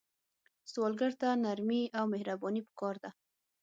سوالګر ته نرمي او مهرباني پکار ده